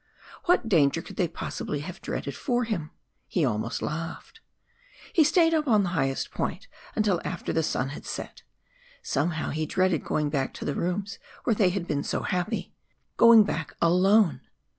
What danger could they possibly have dreaded for him? he almost laughed. He stayed up on the highest point until after the sun had set; somehow he dreaded going back to the rooms where they had been so happy going back alone!